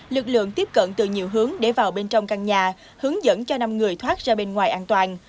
lực lượng tiếp cận từ nhiều hướng để vào bên trong căn nhà hướng dẫn cho năm người thoát ra bên ngoài an toàn